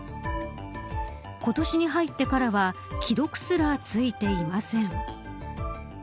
今年に入ってからは既読すらついていません。